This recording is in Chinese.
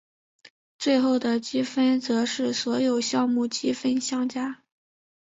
最后的积分则是所有项目积分相加。